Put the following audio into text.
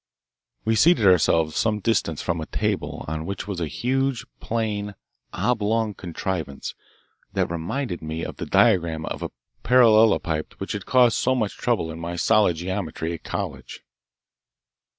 We seated ourselves some distance from a table on which was a huge, plain, oblong contrivance that reminded me of the diagram of a parallelopiped which had caused so much trouble in my solid geometry at college.